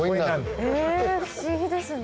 え不思議ですね。